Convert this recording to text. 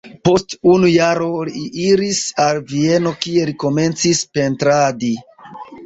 Post unu jaro li iris al Vieno, kie li komencis pentradi.